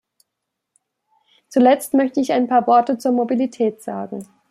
Zuletzt möchte ich ein paar Worte zur Mobilität sagen.